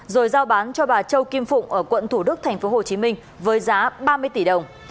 rồi giao bán cho bà châu kim phụng ở quận thủ đức thành phố hồ chí minh với giá ba mươi tỷ đồng